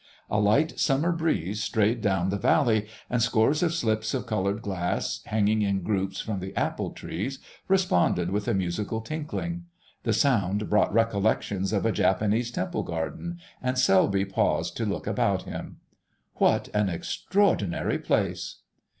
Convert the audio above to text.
A light summer breeze strayed down the valley, and scores of slips of coloured glass, hanging in groups from the apple trees, responded with a musical tinkling. The sound brought recollections of a Japanese temple garden, and Selby paused to look about him. "What an extraordinary place!"